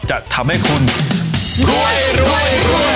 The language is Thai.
จะทำให้คุณรวยรวย